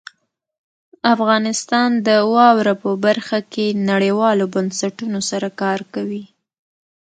افغانستان د واوره په برخه کې نړیوالو بنسټونو سره کار کوي.